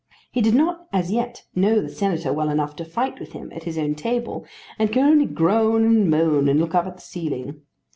He did not as yet know the Senator well enough to fight with him at his own table, and could only groan and moan and look up at the ceiling.